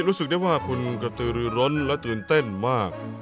รู้สึกได้ว่าคุณกระตือรือร้นและตื่นเต้นมาก